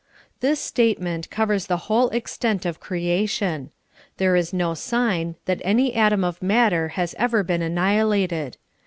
This statement covers the whole extent of creation. There is no sign that any atom of matter has ever been annihilated.